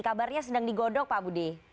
kabarnya sedang digodok pak budi